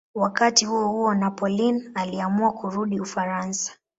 Wakati huohuo Napoleon aliamua kurudi Ufaransa.